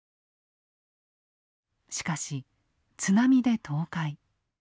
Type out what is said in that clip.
しかし津波で倒壊。